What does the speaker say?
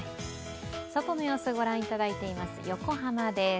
外の様子、御覧いただいています横浜です。